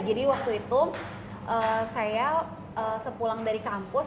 jadi waktu itu saya sepulang dari kampus